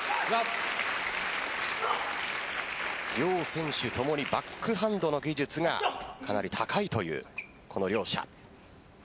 両選手ともにバックハンドの技術がかなり高いというこの両者。